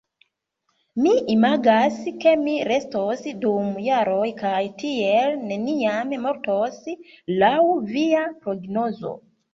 Mi imagas, ke mi restos dum jaroj kaj tiel neniam mortos laŭ via prognozo.